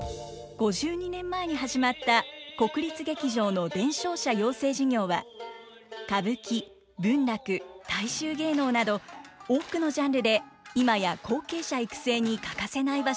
５２年前に始まった国立劇場の伝承者養成事業は歌舞伎文楽大衆芸能など多くのジャンルで今や後継者育成に欠かせない場所となっています。